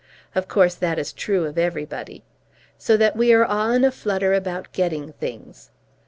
Of course that is true of everybody. So that we are all in a flutter about getting things.